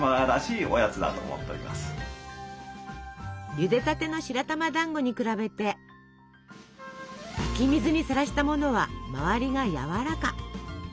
ゆでたての白玉だんごに比べて湧き水にさらしたものは周りがやわらか。